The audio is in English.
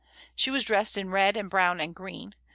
She was dressed in red and brown and green.